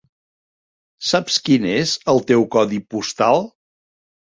Saps quin és el teu codi postal?